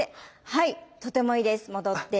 はいとてもいいです戻って。